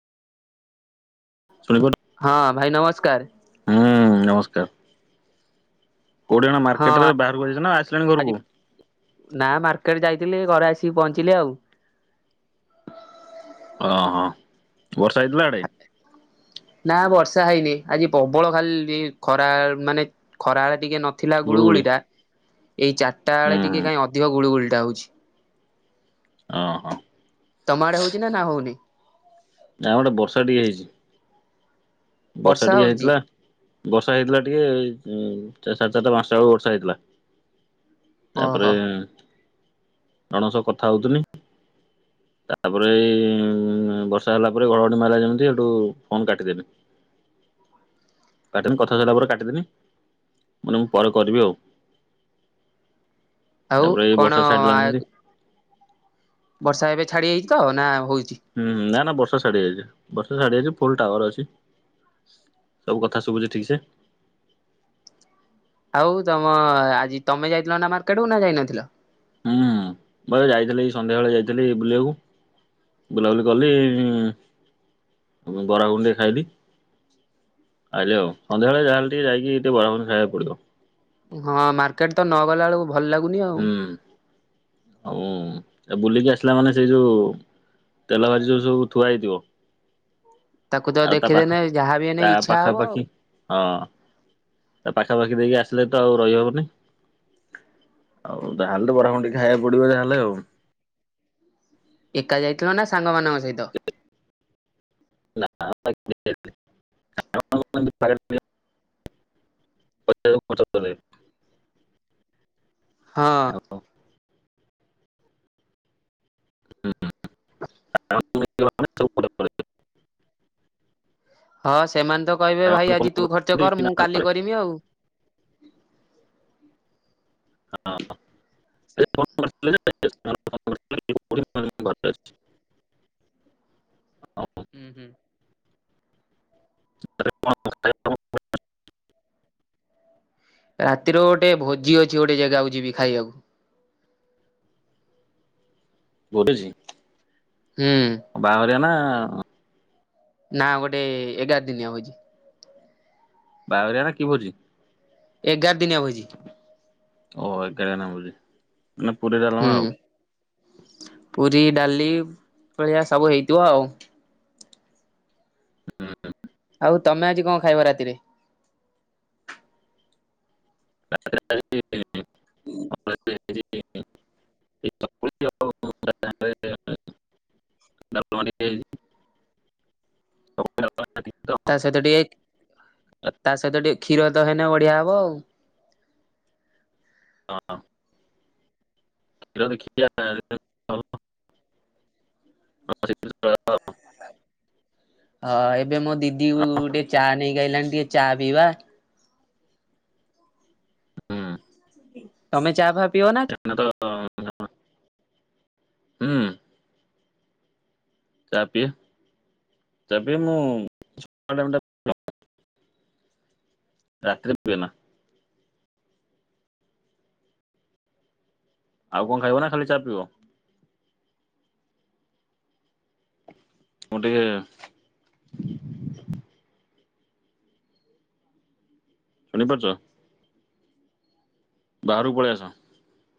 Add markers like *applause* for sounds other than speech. ଶୁଣିପାରୁ ହଁ ଭାଇ ନମସ୍କାର। ହୁଁ ନମସ୍କାର। କୋଉଠି ଏଇନା ହଁ ମାର୍କେଟରେ, ବାହାରକୁ ଆଇଚ ନା ଆସିଲଣି ଆଜି ଘରକୁ? ନା ମାର୍କେଟ ଘରେ ଆସିକି ପହଞ୍ଚିଲି ଆଉ। ଓ ହଁ ବର୍ଷା ହେଇଥିଲା ଆଡେ? ନା ବର୍ଷା ହେଇନି ଆଜି ପବଳ ଖାଲି ଖରା ମାନେ ଖରାବେଳେ ଟିକେ ନ ଥିଲା ଗୁଳୁଗୁଳି ଟା ଏଇ ଚାରିଟା ହୁଁ ବେଳେ ଟିକେ ହୁଁ କାଇଁ ଅଧିକ ଗୁଳୁଗୁଳ ଟା ହଉଛି। ହଁ ହଁ। ତମ ଆଡେ ହଉଛି ନା ହଉନି? ନା ଏପଟେ ବର୍ଷା ଟିକେ ହେଇଛି। ବର୍ଷା ଟିକେ ହେଇଥିଲା ବର୍ଷା ହେଇଥିଲା ଟିକେ ହୁଁ ସାଡେ ଚାରିଟା ପାଞ୍ଚଟା ବେଳକୁ ବର୍ଷା ହେଇଥିଲା। ତାପରେ ଓହୋ ଜଣକ ସହ କଥା ହଉଥିଲି। ତାପରେ ଏଇ ବର୍ଷା ହେଲା ପରେ ଘଡଘଡି ମାଇଲା ଯେମିତି ସେଠୁ ଫୋନ କାଟିଦେଲି। *inaudible* କାଟିନି କଥା ସାରିଲା ପରେ କାଟିଦେନି ମୁଁ ପରେ କରିବି ଆଉ। ଆଉ ତାପରେ ଏ କଣ ବର୍ଷା ଆ ଛାଡିନାହାନ୍ତି। ବର୍ଷା ଏବେ ଛାଡି ଜାଇଛି ତ ନା ହଉଛି? ହୁଁ ନା ନା ବର୍ଷା ଛାଡି ଯାଇଛି। ବର୍ଷା ଛାଡି ଯାଇଛି ଫୁଲ ଟାୱାର ଅଛି। ସବୁ କଥା ଶୁଭୁଛି ଠିକ ସେ। ଆଉ ତମ ଆଜି ତମେ ଯାଇଥିଲ ନା ମାର୍କେଟ କୁ ନା ଯାଇନଥିଲ? ହୁଁ ମୁଁ ଯାଇଥିଲି ଏଇ ସନ୍ଧ୍ୟା ବେଳେ ଯାଇଥିଲି ବୁଲିବାକୁ। ବୁଲାବୁଲି କଲି ବରା ଘୁଗୁନି ଟିକେ ଖାଇଲି। ଆଇଲି ଆଉ। ସନ୍ଧ୍ୟାବେଳେ ଯାହାହେଲେ ଟିକେ ଯାଇକି ବରା ଘୁଗୁନି ଟିକେ ଖାଇବାକୁ ପଡିବ। ହଁ ମାର୍କେଟ ତ ନ ଗଲା ବେଳକୁ ଭଲ ଲାଗୁନି ଆଉ। ହୁଁ ହଉ ଆଉ ବୁଲିକି ଆସିଲା ମାନେ ସେଇ ଯୋଉ ତେଲ ଭାଜିି ଯୋଉ ସବୁ ଥୁଆ ହେଇଥିବ ତାକୁ ତ ଆଉ ତା ଦେଖିଦେଲେ ପାଖ ଯାହାବି ହେଲେ ତା ଇଚ୍ଛା ହବ ଆଉ। ପାଖାପାଖି ହଁ ତା ପାଖାପାଖି ଦେଇକି ଆସିଲେ ତ ଆଉ ରହିହବନି। ଆଉ ତାହେଲେ ତ ବରା ଘୁଗୁନି ଟିକେ ଖାଇବାକୁ ପଡିବ ଯାହେଲେ ଆଉ। ଏକା ଯାଇଥିଲ ନା ସାଙ୍ଗମାନଙ୍କ ସହିତ? ନା ଏକୁଟିଆ ଯାଇଥିଲି ସାଙ୍ଗମାନଙ୍କ *inaudible* ଏମିତି ପାଗ ରେ ଟିକେ। ବସିବାକୁ ମତେ ଭଲ ଲାଗେ। ହଁ। *inaudible* ହୁଁ ସାଙ୍ଗ ମାନେ ମିଶିକି। *inaudible* ହଁ ସେମାନେ ତ କହିବେ ଭାଇ ଆଜି ତୁ ଖର୍ଚ୍ଚ କର ମୁଁ କାଲି କରିମି ଆଉ। ହଁ ଏ ଫୋନ କରିଥିଲେ ଯେ। ଏ ସାଙ୍ଗ ମାନେ ଫୋନ କରିଥିଲେ କହିଲେ କଉଠି ମୁଁ କହିଲି ମୁଁ ଘରେ ଅଛି ହୁଁ ହୁଁ। ରାତିରେ କଣ ଖାଇବାକୁ କଣ *inaudible* ରାତିର ଗୋଟେ ଭୋଜି ଅଛି ଗୋଟେ ଜାଗାକୁ ଯିବି ଖାଇବାକୁ। କଉଠି ଅଛି? ହୁଁ। ରେ ନା। ନା ଗୋଟେ ଏଗାର ଦିନିଆ ଭୋଜି। ବାହାଘରିଆ ନା କି ଭୋଜି? ଏଗାର ଦିନିଆ ଭୋଜି। ଓ ଏଗାର ଦିନିଆ ଭୋଜି ମାନେ ପୁରୀ ଡାଲମା ଆଉ। ହୁଁ ପୁରୀ ଡାଲି ଭଳିଆ ସବୁ ହେଇଥିବ ଆଉ। ଆଉ ତମେ ଆଜି କଣ ଖାଇବ ରାତିରେ? ରାତିରେ ଆଜି। ହୁଁ ଖାଇଚି। *inaudible* ଏଇ ଚକୁଳି ଆଉ। *inaudible* ଡାଲମା ଟିକେ ଖାଇଚି ଚକୁଳି ଡ଼ା ତା ସହିତ ଟିକେ ତା ସହିତ ଟିକେ କ୍ଷୀର ତ ହେନେ ବଢିଆ ହବ ଆଉ। ହଁ। କ୍ଷୀର ଦେଖିବା ଆଣିଲେ ହବ। ନହେଲେ ସେଇଥିରେ ଚଳେଇଦବା ଆଉ। ହଁ ଏବେ ମୋ ଦିଦି ଉ ଟିକେ ଚା ନେଇକି ଆଇଲାଣି ଟିକେ ଚା ପିଇବା। ହୁଁ। ତମେ ଚାହା ଫାହା ପିଅ ନା? ହଁ ହୁଁ। ଚା ପିଏ। ଚା ପିଏ ମୁଁ ସକାଳ ଟାଇମ୍ ଟା। *inaudible* ରାତିରେ ପିଏନା। ଆଉ କଣ ଖାଇବ ନା ଖାଲି ଚା ପିଇବ? ମୁଁ ଟିକେ। ଶୁଣି ପାରୁଚ? ବାହାର କୁ ପଳେଇଆସ।